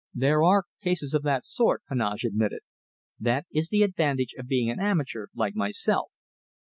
"There are cases of that sort," Heneage admitted. "That is the advantage of being an amateur, like myself.